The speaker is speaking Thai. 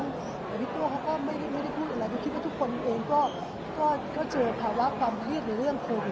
วิกฤตโคเค๊าก็ไม่ได้พูดอะไรก็คิดทุกคนเองก็เจอภาวะความลี่ดด้วยเรื่องโควิด